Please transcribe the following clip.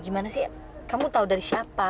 gimana sih kamu tahu dari siapa